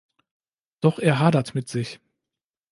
Doch er hadert mit sich.